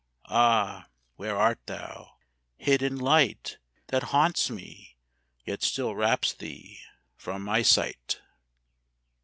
Ah! where art thou, hid in light That haunts me, yet still wraps thee from my sight?